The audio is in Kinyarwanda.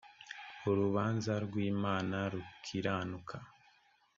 urubanza rw imana rukiranuka